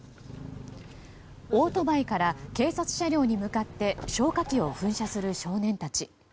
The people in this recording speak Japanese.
オートバイから警察車両に向かって消火器を噴射する少年たち。